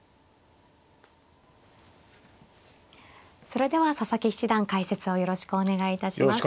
それでは佐々木七段解説をよろしくお願いいたします。